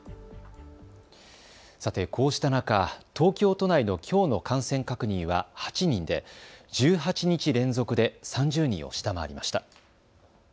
さて、こうした中、東京都内のきょうの感染確認は８人で１８日連続で３０人を下回りました。